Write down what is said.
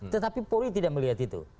tetapi polri tidak melihat itu